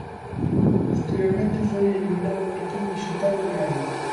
Posteriormente, foi eliminada do arquivo dixital do diario.